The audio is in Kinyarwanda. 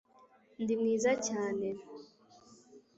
ndi mwiza cyane